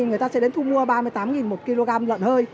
người ta sẽ đến thu mua ba mươi tám một kg lợn hơi